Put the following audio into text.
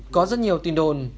có rất nhiều tin đồn